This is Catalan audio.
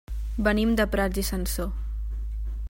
Venim de Prats i Sansor.